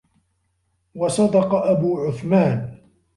وَصَدَقَ أَبُو عُثْمَانَ